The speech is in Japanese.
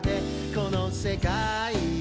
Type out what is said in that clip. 「このせかいを」